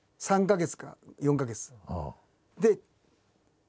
３か月か４か月。